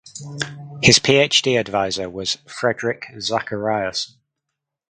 His PhD advisor was Fredrik Zachariasen.